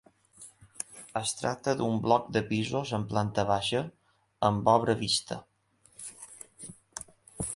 Es tracta d'un bloc de pisos en planta baixa amb obra vista.